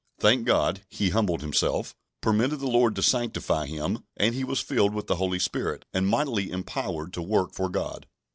Thank God, he humbled himself, permitted the Lord to sanctify him, and he was filled with the Holy Spirit, and mightily empowered to work for God.